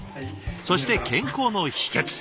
そして健康の秘けつ。